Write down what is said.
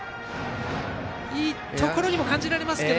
いいところにも感じられますが。